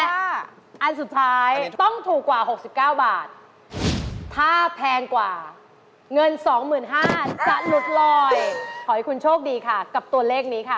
ถ้าอันสุดท้ายต้องถูกกว่า๖๙บาทถ้าแพงกว่าเงิน๒๕๐๐บาทจะหลุดลอยขอให้คุณโชคดีค่ะกับตัวเลขนี้ค่ะ